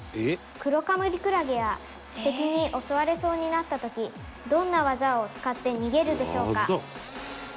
「クロカムリクラゲが敵に襲われそうになった時どんな技を使って逃げるでしょうか？」